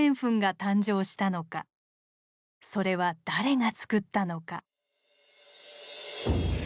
それは誰がつくったのか。